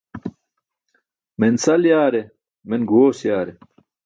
Men sal yaare, men guẏoos yaare.